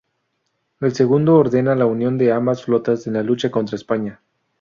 El segundo ordena la unión de ambas flotas en la lucha contra España.